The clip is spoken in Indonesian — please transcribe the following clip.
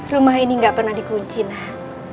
rumah ini gak pernah dikunci nak